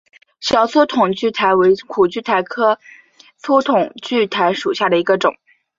小粗筒苣苔为苦苣苔科粗筒苣苔属下的一个种。